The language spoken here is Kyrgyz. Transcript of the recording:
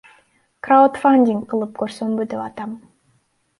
Краудфандинг кылып көрсөмбү деп атам.